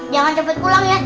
jangan cepet pulang ya